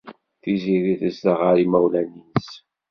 Tiziri tezdeɣ ɣer yimawlan-nnes.